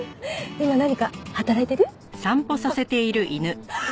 今何か働いてる？あっ。